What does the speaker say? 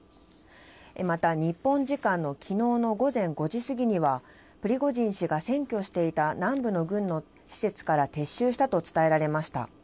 また日本時間のきのうの午前５時過ぎには、プリゴジン氏が占拠していた南部の軍の施設から撤収したと伝えられました。